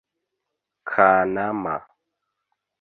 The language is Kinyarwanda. Kanama